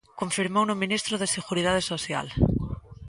Confirmouno o ministro de Seguridade Social.